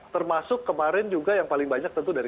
termasuk kemarin juga yang paling besar di bogor ya